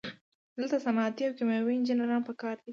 دلته صنعتي او کیمیاوي انجینران پکار دي.